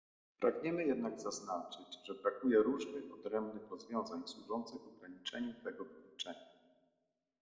Pragniemy jednak zaznaczyć, że brakuje różnych, odrębnych rozwiązań służących ograniczeniu tego wykluczenia